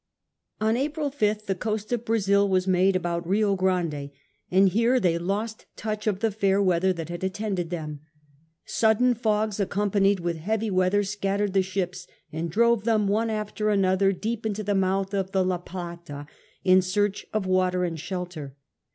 On April 5th the coast of Brazil was made about Rio Grande, and here they lost touch of the fair weather that had attended them. Sudden fogs, accompanied with heavy weather, scattered the ships and drove them one after another deep into the mouth of the La Plata in search of water and shelter.